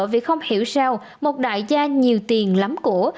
vì không hiểu sao một đại gia nhiều tiền lắm của